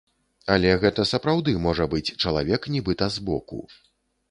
Але гэта сапраўды можа быць чалавек нібыта збоку.